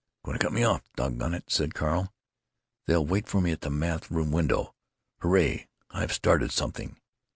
"Going to cut me off. Dog gone it," said Carl. "They'll wait for me at the math. room window. Hooray! I've started something."